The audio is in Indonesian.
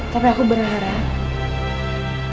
tapi aku berharap